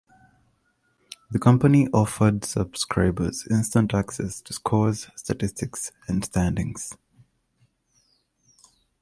The company offered subscribers instant access to scores, statistics and standings.